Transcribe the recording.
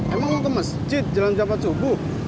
emang mau ke masjid jalan jam empat subuh